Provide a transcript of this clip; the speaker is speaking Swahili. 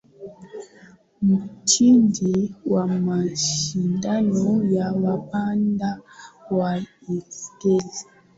mshindi wa mashindano ya wapanda baiskeli